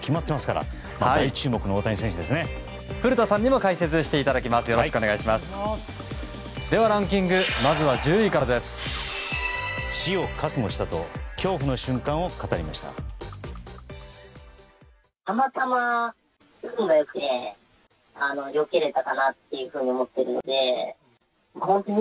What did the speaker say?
死を覚悟したと恐怖の瞬間を語りました。